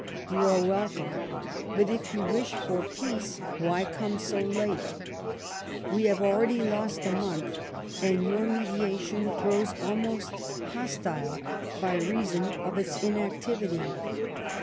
" You are welcome. But, if you wish for peace, why come so late ? We have already lost a month, and your mediation grows almost hostile by reason of its inactivity.